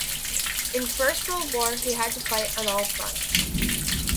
In First World War he had to fight on all fronts.